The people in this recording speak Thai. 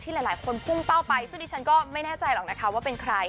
หลายคนพุ่งเป้าไปซึ่งดิฉันก็ไม่แน่ใจหรอกนะคะว่าเป็นใคร